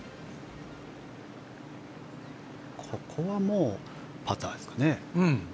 ここはもうパターですかね。